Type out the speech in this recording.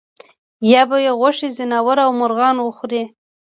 یا به یې غوښې ځناورو او مرغانو وخوړې.